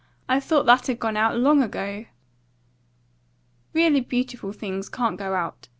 "I thought that had gone out long ago." "Really beautiful things can't go out.